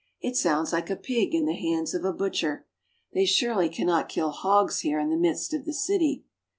It sounds like a pig in the hands of a butcher. They surely cannot kill hogs here in the midst of the city.